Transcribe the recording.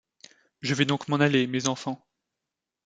Je vais donc m’en aller, mes enfants.